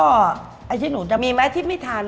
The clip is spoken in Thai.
อาจจะเฉคผมทำมีด้วยมันที่ไม่ทานเลย